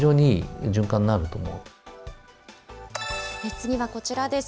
次はこちらです。